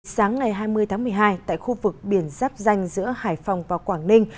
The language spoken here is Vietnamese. sáng ngày hai mươi tháng một mươi hai tại khu vực biển giáp danh giữa hải phòng và quảng ninh